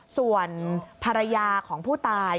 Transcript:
ส่วนภรรยาของผู้ตาย